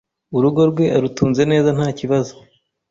urugo rwe arutunze neza ntakibazo